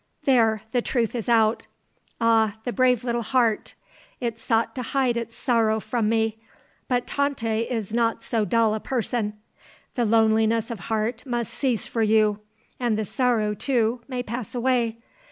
There; the truth is out. Ah, the brave little heart; it sought to hide its sorrow from me. But Tante is not so dull a person. The loneliness of heart must cease for you. And the sorrow, too, may pass away.